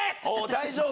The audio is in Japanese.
大丈夫？